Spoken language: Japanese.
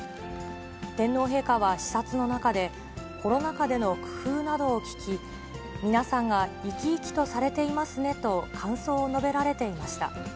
天皇陛下は視察の中で、コロナ禍での工夫などを聞き、皆さんが生き生きとされていますねと感想を述べられていました。